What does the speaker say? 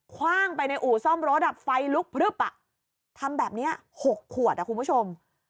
ว่างไปในอู่ซ่อมรถไฟลุกพลึบทำแบบนี้๖ขวดคุณผู้ชม